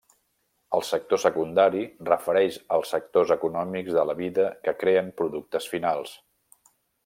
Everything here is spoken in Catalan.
El sector secundari refereix als sectors econòmics de la vida que creen productes finals.